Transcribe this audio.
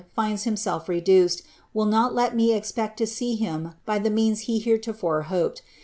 finds himself reduced, will not let BM expect to see him by the means he heretofore hoped.